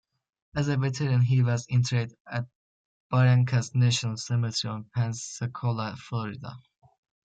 As a veteran he was interred at Barrancas National Cemetery in Pensacola, Florida.